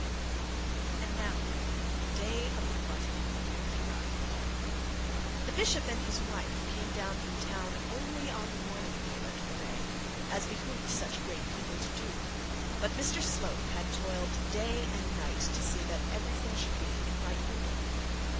And now the day of the party had arrived. The bishop and his wife came down from town, only on the morning of the eventful day, as behoved such great people to do; but Mr Slope had toiled day and night to see that everything should be in right order.